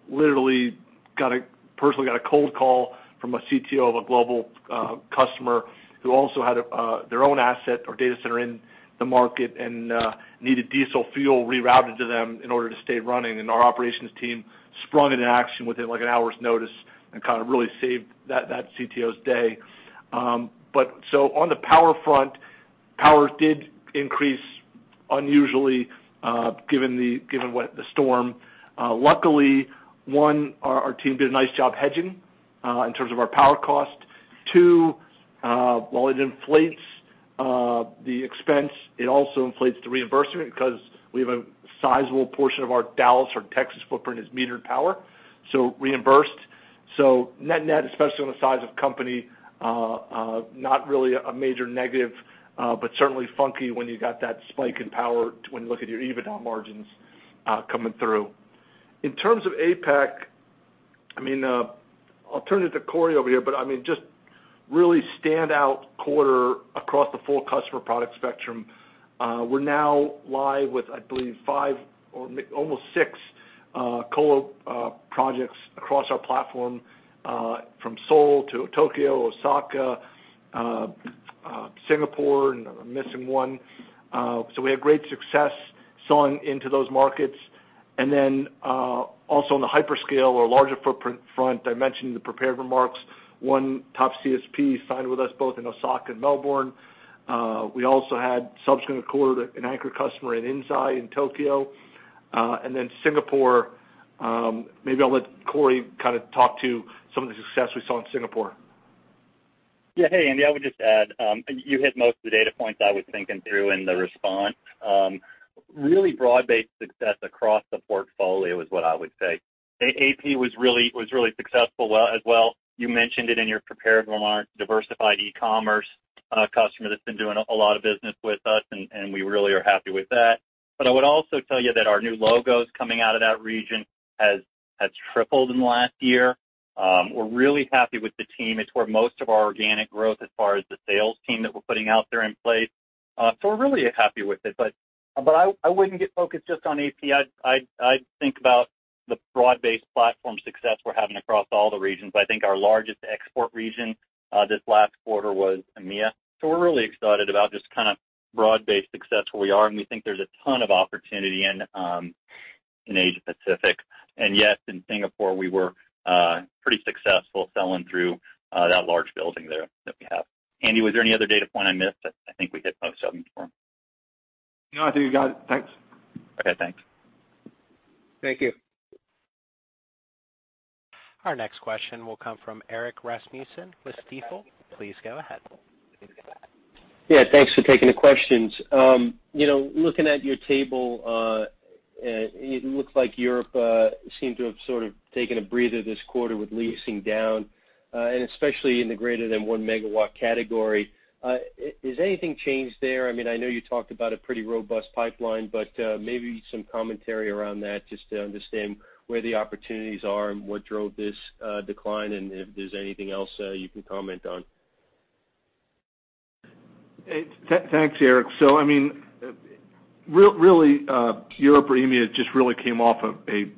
Literally, personally got a cold call from a CTO of a global customer who also had their own asset or data center in the market and needed diesel fuel rerouted to them in order to stay running, and our operations team sprung into action within like an hour's notice and kind of really saved that CTO's day. On the power front, power did increase unusually given the storm. Luckily, one, our team did a nice job hedging in terms of our power cost. Two, while it inflates the expense, it also inflates the reimbursement because we have a sizable portion of our Dallas or Texas footprint is metered power, so reimbursed. Net-net, especially on the size of company, not really a major negative, but certainly funky when you got that spike in power when you look at your EBITDA margins coming through. In terms of APAC, I'll turn it to Corey over here, but just really standout quarter across the full customer product spectrum. We're now live with, I believe, five or almost six colo projects across our platform, from Seoul to Tokyo, Osaka, Singapore. I'm missing one. We have a great success sign into those market. Also on the hyperscale or larger footprint front, I mentioned in the prepared remarks, one top CSP signed with us both in Osaka and Melbourne. We also had subsequent quarter an anchor customer in Inzai, in Tokyo. Singapore, maybe I'll let Corey talk to some of the success we saw in Singapore. Yeah. Hey, Andy. I would just add, you hit most of the data points I was thinking through in the response. Really broad-based success across the portfolio is what I would say. AP was really successful as well. You mentioned it in your prepared remarks, diversified e-commerce customer that's been doing a lot of business with us, and we really are happy with that. I would also tell you that our new logos coming out of that region has tripled in the last year. We're really happy with the team. It's where most of our organic growth as far as the sales team that we're putting out there in place. We're really happy with it. I wouldn't get focused just on AP. I'd think about the broad-based platform success we're having across all the regions. I think our largest export region this last quarter was EMEA. We're really excited about just kind of broad-based success where we are, and we think there's a ton of opportunity in Asia Pacific. Yes, in Singapore, we were pretty successful selling through that large building there that we have. Andy, was there any other data point I missed? I think we hit most of them. No, I think you got it. Thanks. Okay, thanks. Thank you. Our next question will come from Erik Rasmussen with Stifel. Please go ahead. Yeah, thanks for taking the questions. Looking at your table, it looks like Europe seemed to have sort of taken a breather this quarter with leasing down, and especially in the greater than 1 MW category. Has anything changed there? Maybe some commentary around that just to understand where the opportunities are and what drove this decline and if there's anything else you can comment on. Hey, thanks, Erik. Europe or EMEA just really came off of a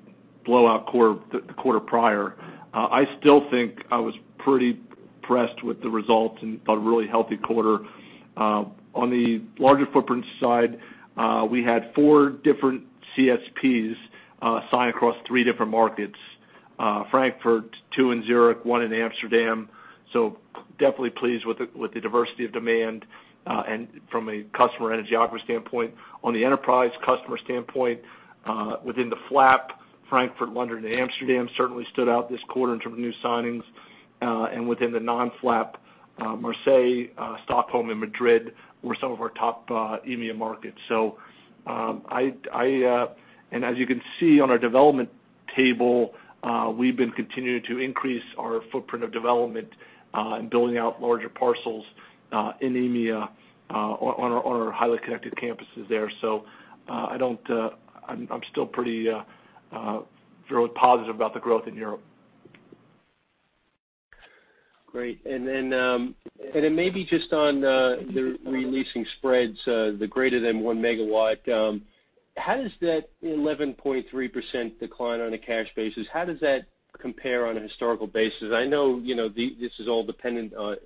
blowout quarter prior. I still think I was pretty impressed with the results and thought a really healthy quarter. On the larger footprint side, we had four different CSPs sign across three different markets. Frankfurt, two in Zurich, one in Amsterdam. Definitely pleased with the diversity of demand, and from a customer energy output standpoint. On the enterprise customer standpoint, within the FLAP, Frankfurt, London, and Amsterdam certainly stood out this quarter in terms of new signings. Within the non-FLAP, Marseille, Stockholm, and Madrid were some of our top EMEA markets. As you can see on our development table, we've been continuing to increase our footprint of development, and building out larger parcels in EMEA, on our highly connected campuses there. I'm still pretty positive about the growth in Europe. Great. Then maybe just on the re-leasing spreads, the greater than 1 MW. How does that 11.3% decline on a cash basis, how does that compare on a historical basis? I know this is all dependent on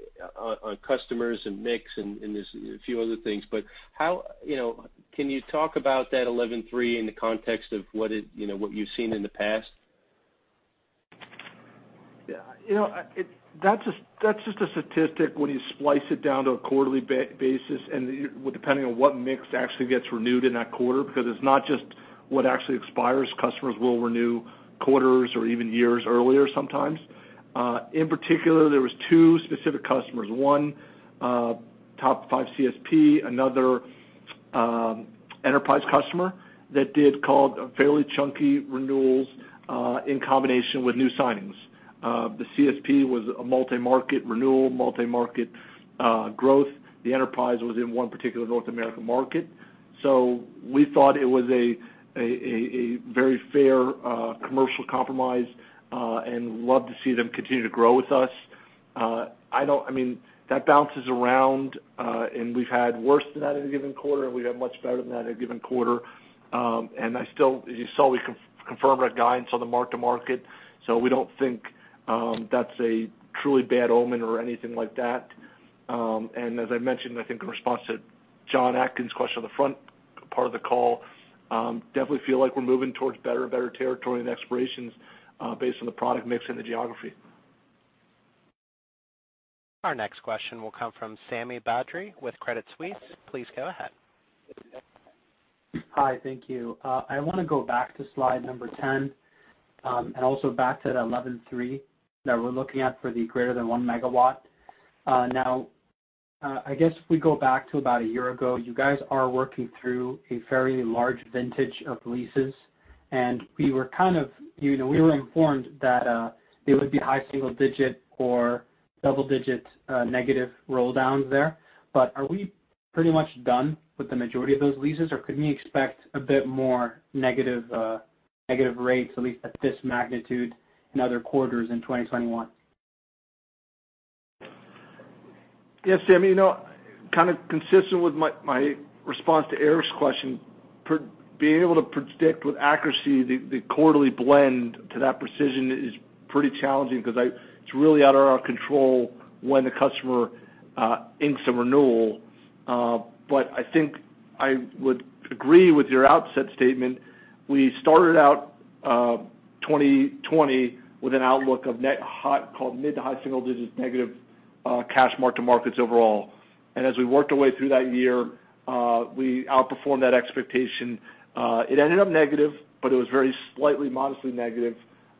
customers, and mix, and there's a few other things. Can you talk about that 11.3% in the context of what you've seen in the past? That's just a statistic when you splice it down to a quarterly basis, and depending on what mix actually gets renewed in that quarter, because it's not just what actually expires. Customers will renew quarters or even years earlier sometimes. In particular, there was two specific customers, one top five CSP, another enterprise customer that did call fairly chunky renewals in combination with new signings. The CSP was a multi-market renewal, multi-market growth. The enterprise was in one particular North American market. We thought it was a very fair commercial compromise, and love to see them continue to grow with us. That bounces around, and we've had worse than that in a given quarter, and we've had much better than that in a given quarter. As you saw, we confirmed our guidance on the mark-to-market, so we don't think that's a truly bad omen or anything like that. As I mentioned, I think in response to Jon Atkin's question on the front part of the call, definitely feel like we're moving towards better and better territory and expirations based on the product mix and the geography. Our next question will come from Sami Badri with Credit Suisse. Please go ahead. Hi, thank you. I want to go back to Slide number 10, and also back to that 11.3% that we're looking at for the greater than 1 MW. I guess if we go back to about a year ago, you guys are working through a very large vintage of leases, and we were informed that it would be high single-digit or double-digit negative roll downs there. Are we pretty much done with the majority of those leases, or could we expect a bit more negative rates, at least at this magnitude in other quarters in 2021? Sami. Kind of consistent with my response to Erik's question, being able to predict with accuracy the quarterly blend to that precision is pretty challenging because it's really out of our control when the customer inks a renewal. I think I would agree with your outset statement. We started out 2020 with an outlook of mid to high single-digits negative cash mark-to-markets overall. As we worked our way through that year, we outperformed that expectation. It ended up negative, it was very slightly modestly negative.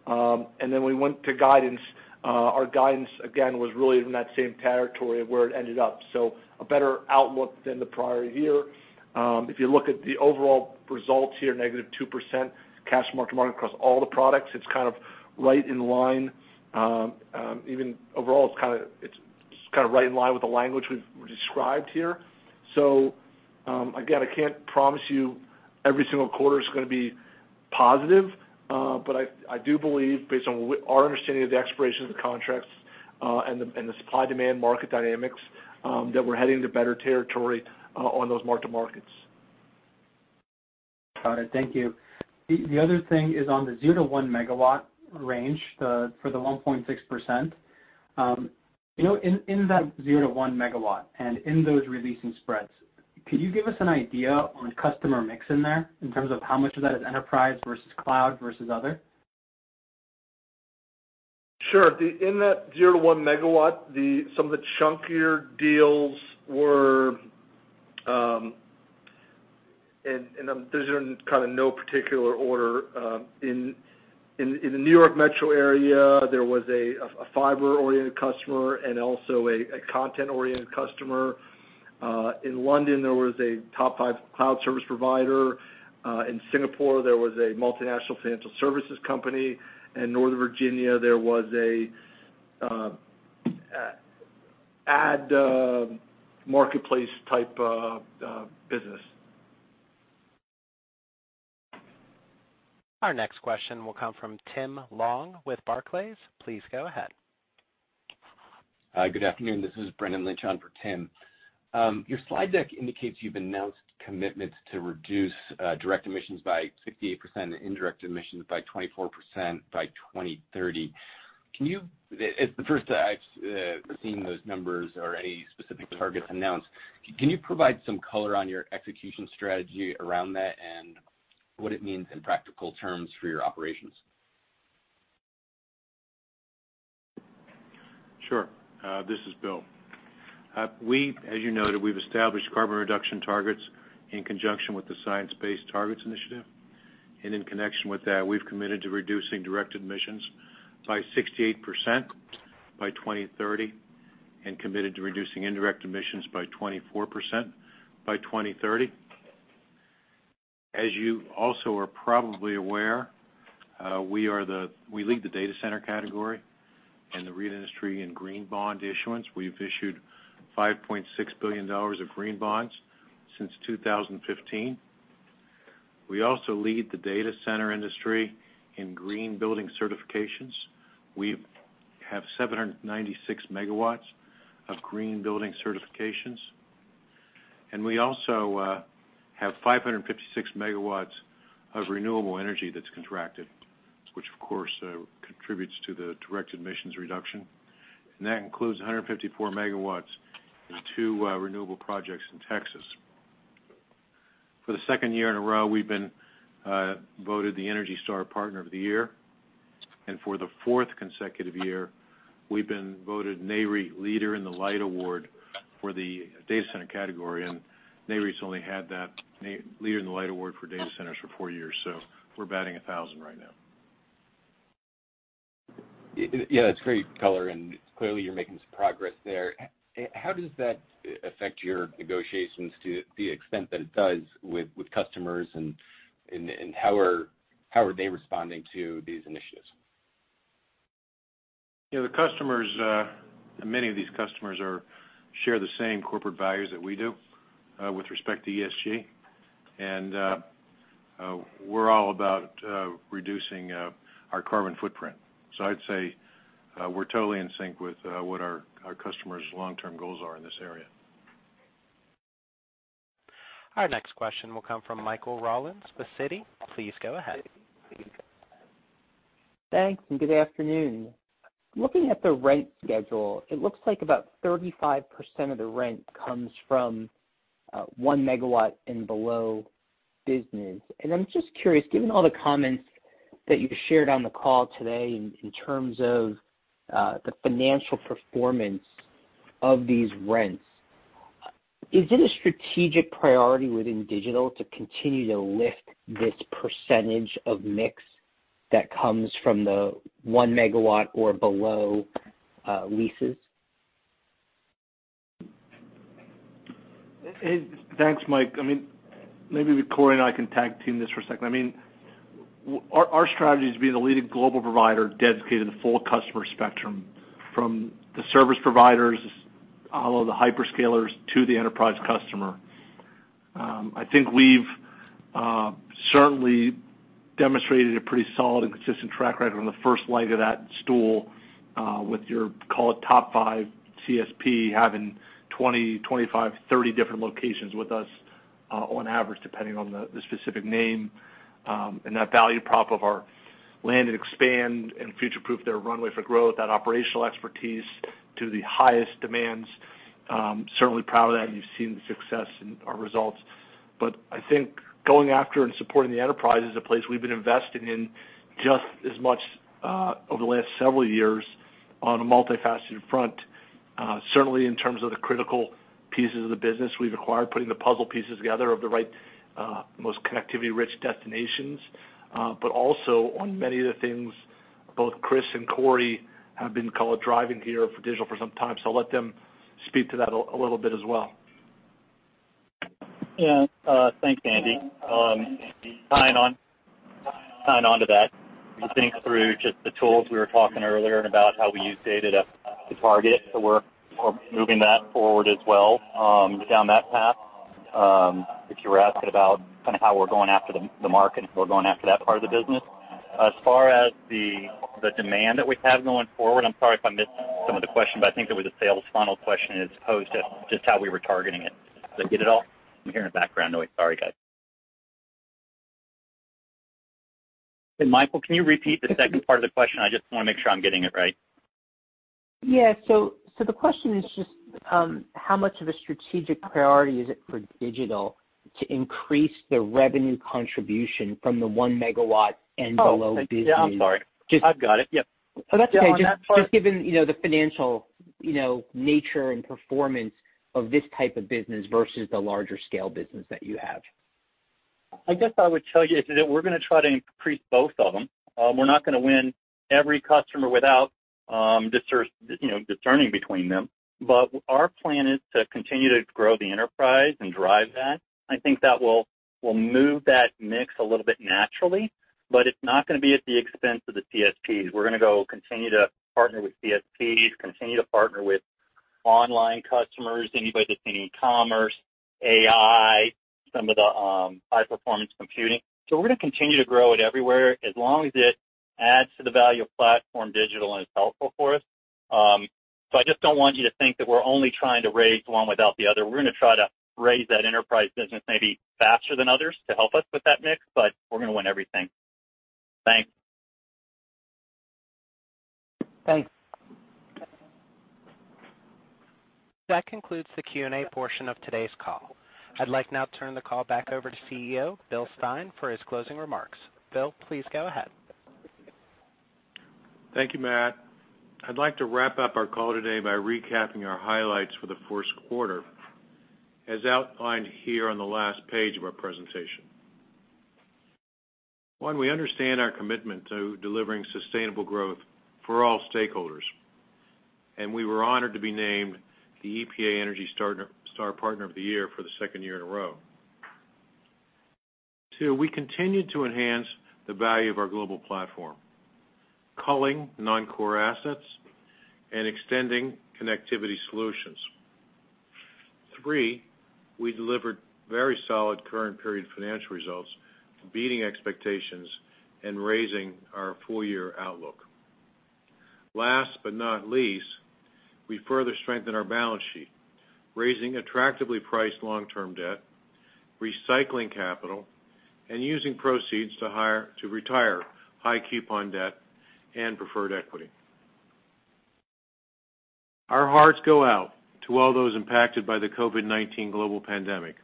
We went to guidance. Our guidance, again, was really in that same territory of where it ended up. A better outlook than the prior year. If you look at the overall results here, -2% cash mark-to-market across all the products, it's kind of right in line. Even overall, it's kind of right in line with the language we've described here. Again, I can't promise you every single quarter is going to be positive. I do believe, based on our understanding of the expirations of the contracts, and the supply/demand market dynamics, that we're heading to better territory on those mark-to-markets. All right, thank you. The other thing is on the 0 MW-1 MW range, for the 1.6%. In that 0 MW to 1 MW, and in those re-leasing spreads, could you give us an idea on customer mix in there in terms of how much of that is enterprise versus cloud versus other? Sure. In that 0 MW-1 MW, some of the chunkier deals were, and these are in no particular order. In the New York metro area, there was a fiber-oriented customer and also a content-oriented customer. In London, there was a top 5 cloud service provider. In Singapore, there was a multinational financial services company. In Northern Virginia, there was an ad marketplace type of business. Our next question will come from Tim Long with Barclays. Please go ahead. Hi. Good afternoon. This is Brendan Lynch on for Tim. Your slide deck indicates you've announced commitments to reduce direct emissions by 68% and indirect emissions by 24% by 2030. It's the first that I've seen those numbers or any specific targets announced. Can you provide some color on your execution strategy around that and what it means in practical terms for your operations? Sure. This is Bill. As you noted, we've established carbon reduction targets in conjunction with the Science-Based Targets initiative. In connection with that, we've committed to reducing direct emissions by 68% by 2030 and committed to reducing indirect emissions by 24% by 2030. As you also are probably aware, we lead the data center category in the REIT industry in green bond issuance. We've issued $5.6 billion of green bonds since 2015. We also lead the data center industry in green building certifications. We have 796 MW of green building certifications. We also have 556 MW of renewable energy that's contracted, which of course contributes to the direct emissions reduction. That includes 154 MW in two renewable projects in Texas. For the second year in a row, we've been voted the ENERGY STAR Partner of the Year. For the fourth consecutive year, we've been voted Nareit Leader in the Light Award for the data center category. Nareit's only had that Leader in the Light Award for data centers for four years. We're batting 1,000 right now. Yeah, that's great color, and clearly you're making some progress there. How does that affect your negotiations to the extent that it does with customers and how are they responding to these initiatives? The customers, many of these customers share the same corporate values that we do, with respect to ESG. We're all about reducing our carbon footprint. I'd say we're totally in sync with what our customers' long-term goals are in this area. Our next question will come from Michael Rollins with Citi. Please go ahead. Thanks, good afternoon. Looking at the rent schedule, it looks like about 35% of the rent comes from 1 MW and below business. I'm just curious, given all the comments that you've shared on the call today in terms of the financial performance of these rents, is it a strategic priority within Digital Realty to continue to lift this percentage of mix that comes from the 1 MW or below leases? Thanks, Mike. Maybe Corey and I can tag team this for a second. Our strategy is to be the leading global provider dedicated to the full customer spectrum, from the service providers, all of the hyperscalers, to the enterprise customer. I think we've certainly demonstrated a pretty solid and consistent track record on the first leg of that stool, with your, call it, top five CSP having 20, 25, 30 different locations with us on average, depending on the specific name, and that value prop of our land and expand and future-proof their runway for growth, that operational expertise to the highest demands. Certainly proud of that, and you've seen the success in our results. I think going after and supporting the enterprise is a place we've been investing in just as much, over the last several years on a multifaceted front. Certainly in terms of the critical pieces of the business we've acquired, putting the puzzle pieces together of the right, most connectivity-rich destinations, but also on many of the things both Chris and Corey have been call it driving here for Digital for some time. I'll let them speak to that a little bit as well. Yeah. Thanks, Andy. Sign on to that. I think through just the tools we were talking earlier about how we use data to target. We're moving that forward as well, down that path. If you were asking about how we're going after the market and if we're going after that part of the business. As far as the demand that we have going forward, I'm sorry if I missed some of the question, but I think there was a sales funnel question as opposed to just how we were targeting it. Did I get it all? I'm hearing a background noise. Sorry, guys. Michael, can you repeat the second part of the question? I just want to make sure I'm getting it right. Yeah. The question is just, how much of a strategic priority is it for Digital to increase the revenue contribution from the 1 MW and below business? Oh, yeah, I'm sorry. I've got it. Yep. Oh, that's okay. Just given the financial nature and performance of this type of business versus the larger scale business that you have. I guess I would tell you is that we're going to try to increase both of them. We're not going to win every customer without discerning between them. Our plan is to continue to grow the enterprise and drive that. I think that will move that mix a little bit naturally, but it's not going to be at the expense of the CSPs. We're going to go continue to partner with CSPs, continue to partner with online customers, anybody that's in e-commerce, AI, some of the high performance computing. We're going to continue to grow it everywhere, as long as it adds to the value of PlatformDIGITAL and is helpful for us. I just don't want you to think that we're only trying to raise one without the other. We're going to try to raise that enterprise business maybe faster than others to help us with that mix, but we're going to win everything. Thanks. Thanks. That concludes the Q&A portion of today's call. I'd like now to turn the call back over to CEO, Bill Stein, for his closing remarks. Bill, please go ahead. Thank you, Matt. I'd like to wrap up our call today by recapping our highlights for the first quarter, as outlined here on the last page of our presentation. One, we understand our commitment to delivering sustainable growth for all stakeholders, and we were honored to be named the EPA ENERGY STAR Partner of the Year for the second year in a row. Two, we continued to enhance the value of our global platform, culling non-core assets and extending connectivity solutions. Three, we delivered very solid current period financial results, beating expectations and raising our full year outlook. Last but not least, we further strengthened our balance sheet, raising attractively priced long-term debt, recycling capital, and using proceeds to retire high coupon debt and preferred equity. Our hearts go out to all those impacted by the COVID-19 global pandemic.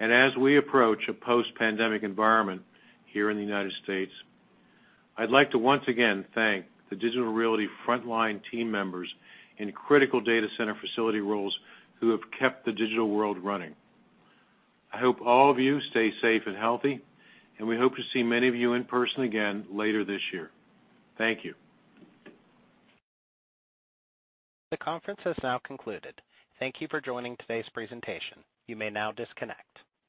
As we approach a post-pandemic environment here in the United States, I'd like to once again thank the Digital Realty frontline team members in critical data center facility roles who have kept the digital world running. I hope all of you stay safe and healthy, and we hope to see many of you in person again later this year. Thank you. The conference has now concluded. Thank you for joining today's presentation. You may now disconnect.